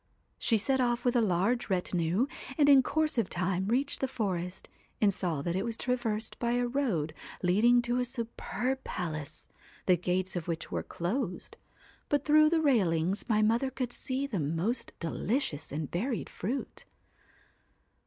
She set off with a large retinue, and in course of time reached the forest, and saw that it was traversed by a road leading to a superb palace, the gates of which were closed, but through the railings my mother could see the most delici ous and varied fruit.